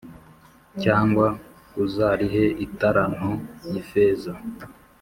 cyangwa uzarihe italanto y’ifeza’